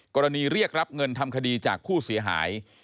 เรียกรับเงินทำคดีจากผู้เสียหาย